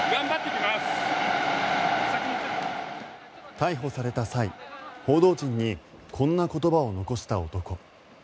逮捕された際報道陣にこんな言葉を残した男。